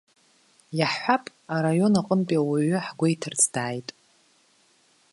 Иаҳҳәап, араион аҟынтәи ауаҩы ҳгәеиҭарц дааит.